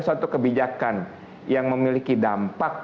suatu kebijakan yang memiliki dampak